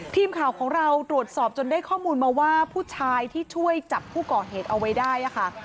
ทีมข่าวของเราตรวจสอบจนได้ข้อมูลมาว่าผู้ชายที่ช่วยจับผู้ก่อเหตุเอาไว้ได้ค่ะ